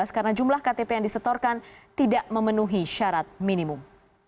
karena jumlah ktp yang disetorkan tidak memenuhi syarat minimum